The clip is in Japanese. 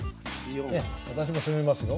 私も攻めますよ。